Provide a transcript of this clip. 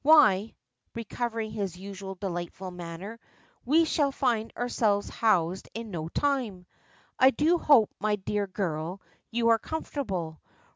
Why," recovering his usual delightful manner, "we shall find ourselves housed in no time. I do hope, my dear girl, you are comfortable!